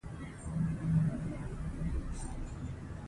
د هغې مړی د وینچسټر په جامع کلیسا کې خاورو ته وسپارل شو.